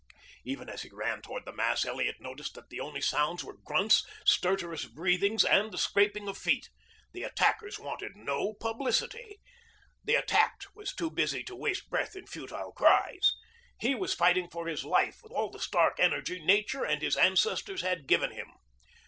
Even as he ran toward the mass, Elliot noticed that the only sounds were grunts, stertorous breathings, and the scraping of feet. The attackers wanted no publicity. The attacked was too busy to waste breath in futile cries. He was fighting for his life with all the stark energy nature and his ancestors had given him.